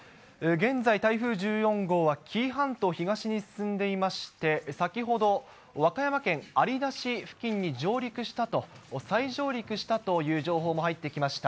現在、台風１４号は紀伊半島東に進んでいまして、先ほど和歌山県有田市付近に上陸したと、再上陸したという情報も入ってきました。